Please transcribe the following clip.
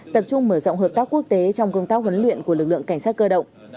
tập trung mở rộng hợp tác quốc tế trong công tác huấn luyện của lực lượng cảnh sát cơ động